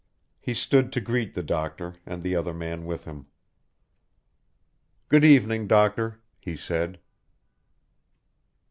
He stood to greet the doctor and the other man with him. "Good evening, doctor," he said.